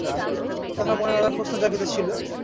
তাহার মনে নানা প্রশ্ন জাগিতেছিল।